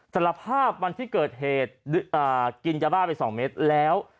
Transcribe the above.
สารภาพวันที่เกิดเหตุกินยาบ้าไป๒เมตรแล้ว